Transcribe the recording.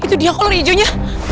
itu dia kolor ijonya